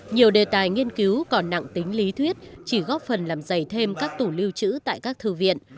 nhiều đề tài nghiên cứu còn nặng tính lý thuyết chỉ góp phần làm dày thêm các tủ lưu trữ tại các thư viện